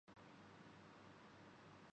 نبی صلی اللہ علیہ وسلم نے ان دونوں کو کہا